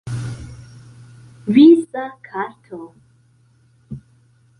Visa karto.